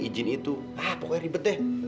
izin itu ah pokoknya ribet deh